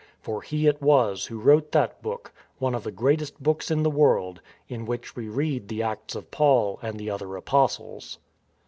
For he it was who wrote that book — one of the greatest books in the world — in which we read the Acts of Paul and the other Apostles.